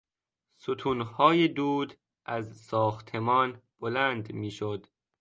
ستونهای دود از ساختمان بلند میشد.